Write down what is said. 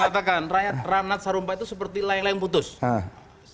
dia mengatakan rana sarumpait itu seperti layang layang putus